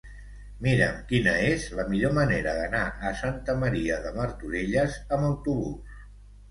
Mira'm quina és la millor manera d'anar a Santa Maria de Martorelles amb autobús.